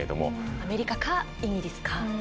アメリカかイギリスか。